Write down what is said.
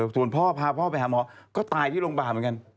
ส่วนพ่อพาพ่อไปหาหมอก็ตายที่โรงพยาบาลเหมือนกัน